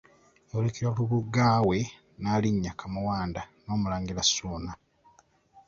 Yawerekerwa Lubuga we Nnaalinya Kamuwanda n'Omulangira Ssuuna.